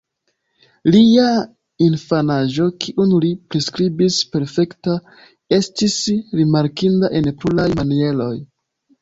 Lia infanaĝo, kiun li priskribis "perfekta", estis rimarkinda en pluraj manieroj.